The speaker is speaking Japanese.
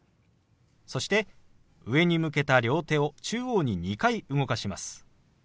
そして上に向けた両手を中央に２回動かします。